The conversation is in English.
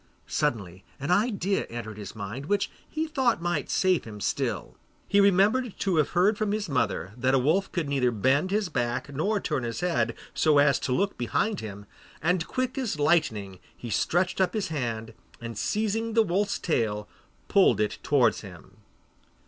Suddenly an idea entered his mind, which he thought might save him still. He remembered to have heard from his mother that a wolf could neither bend his back nor turn his head, so as to look behind him, and quick as lightning he stretched up his hand, and seizing the wolf's tail, pulled it towards him.